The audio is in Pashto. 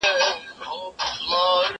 زه هره ورځ تمرين کوم.